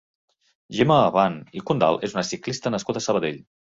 Gemma Abant i Condal és una ciclista nascuda a Sabadell.